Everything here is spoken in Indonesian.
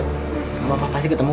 gapapa pasti ketemu gue